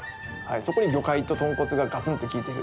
そこに魚介と豚骨がガツンと効いてる。